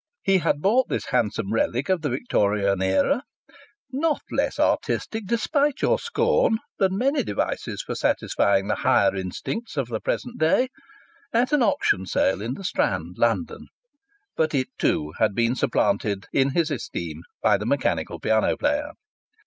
He had bought this handsome relic of the Victorian era (not less artistic, despite your scorn, than many devices for satisfying the higher instincts of the present day) at an auction sale in the Strand, London. But it, too, had been supplanted in his esteem by the mechanical piano player.